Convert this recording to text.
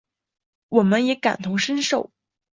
我们也感同身受